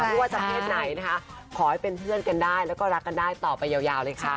ไม่ว่าจะเพศไหนนะคะขอให้เป็นเพื่อนกันได้แล้วก็รักกันได้ต่อไปยาวเลยค่ะ